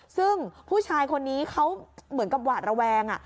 ซึ่งผู้ชายคนนี้เขาเหมือนกับหวาดระแวง